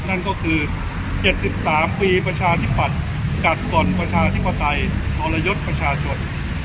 นั่นก็คือ๗๓ปีประชาธิปัตย์กัดก่อนประชาธิปไตยทรยศประชาชน